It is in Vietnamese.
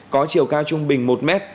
có chiều cao trung bình một mét